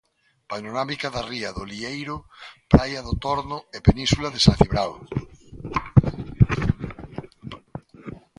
Panorámica da ría do Lieiro, praia do Torno e península de San Cibrao.